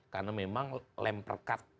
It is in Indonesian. karena memang lemperpoten